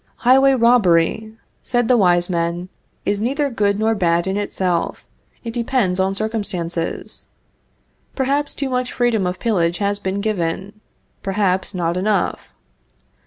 "Highway robbery," said the wise men, "is neither good nor bad in itself; it depends on circumstances. Perhaps too much freedom of pillage has been given; perhaps not enough.